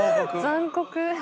残酷。